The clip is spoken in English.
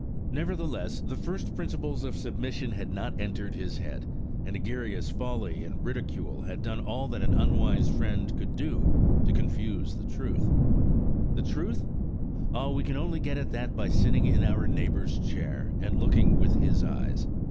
Nevertheless, the first principles of submission had not entered his head, and Egeria's folly and ridicule had done all that an unwise friend could do to confuse the truth. The truth? Ah, we can only get at that by sitting in our neighbour's chair, and looking with his eyes.